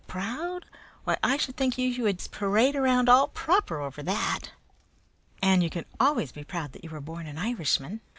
Proud! Why, I should think you would just parade around about proper over that! "And you can always be proud that you are born an Irishman.